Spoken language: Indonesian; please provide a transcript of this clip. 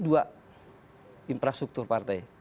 dua infrastruktur partai